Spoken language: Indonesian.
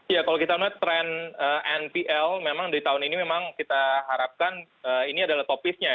iya kalau kita lihat tren npl memang dari tahun ini memang kita harapkan ini adalah topisnya